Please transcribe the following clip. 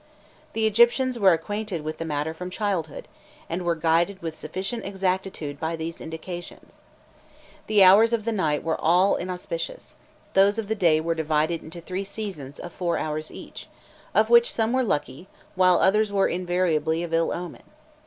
The Egyptians were acquainted with the matter from childhood, and were guided with sufficient exactitude by these indications. The hours of the night were all inauspicious; those of the day were divided into three "seasons" of four hours each, of which some were lucky, while others were invariably of ill omen.